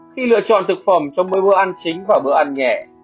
khi lựa chọn thực phẩm trong mỗi bữa ăn chính và bữa ăn nhẹ